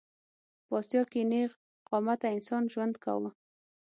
په اسیا کې نېغ قامته انسان ژوند کاوه.